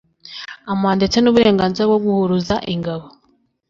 amuha ndetse n'uburenganzira bwo guhuruza ingabo